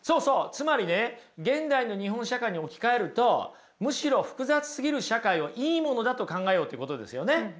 つまりね現代の日本社会に置き換えるとむしろ複雑すぎる社会をいいものだと考えようっていうことですよね。